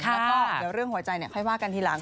แล้วก็เดี๋ยวเรื่องหัวใจค่อยว่ากันทีหลัง